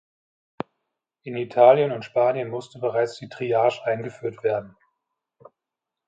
In Italien und Spanien musste bereits die Triage eingeführt werden.